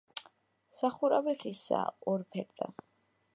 სახურავი ხისაა, ორფერდა.